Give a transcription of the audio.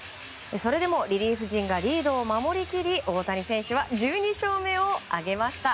それでも、リリーフ陣がリードを守り切り大谷選手は１２勝目を挙げました。